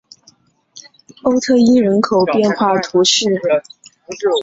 欧特伊人口变化图示